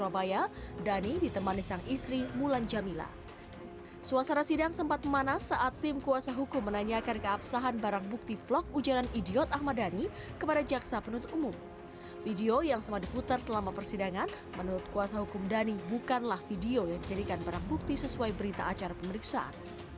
bukanlah video yang dijadikan berang bukti sesuai berita acara pemeriksaan